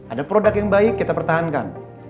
ada produk yang baik kita pertahankan